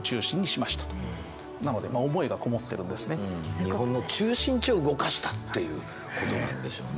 日本の中心地を動かしたということなんでしょうね。